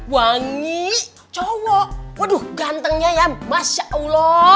wangi cowok waduh gantengnya ya masya allah